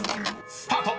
スタート！］